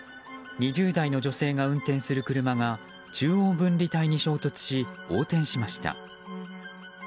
２０代の女性が運転する車が中央分離帯に衝突し横転しました。